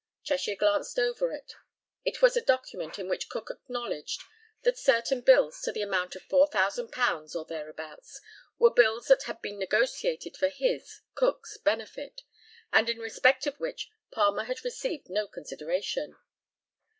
Cheshire glanced over it. It was a document in which Cook acknowledged that certain bills, to the amount of £4,000 or thereabouts, were bills that had been negotiated for his (Cook's) benefit, and in respect of which Palmer had received no consideration.